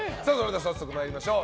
早速、参りましょう。